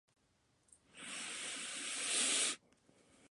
Su personalidad fue descrita "altamente competitiva y algo amargada".